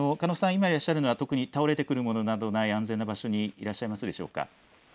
今、いらっしゃるのは特に倒れてくるものがない安全な場所にいらっしゃいますでしょうか。